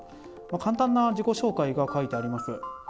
簡単な自己紹介が書いてあります。